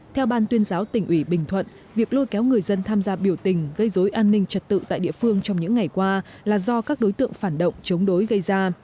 theo ban tuyên giáo tỉnh ủy bình thuận việc lôi kéo người dân tham gia biểu tình gây dối an ninh trật tự tại địa phương trong những ngày qua là do các đối tượng phản động chống đối gây ra